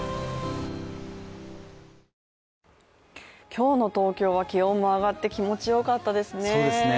今日の東京は気温も上がって気持ちよかったですね。